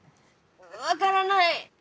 分からない！